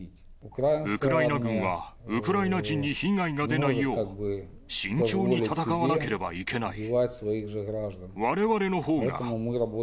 ウクライナ軍はウクライナ人に被害が出ないよう、慎重に戦わなければいけない。